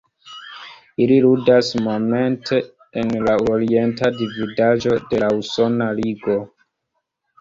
Ili ludas momente en la Orienta Dividaĵo de la Usona Ligo.